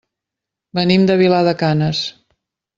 Venim de Vilar de Canes.